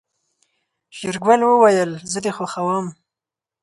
شېرګل وويل زه دې خوښوم.